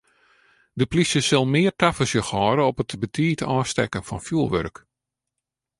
De plysje sil mear tafersjoch hâlde op it te betiid ôfstekken fan fjoerwurk.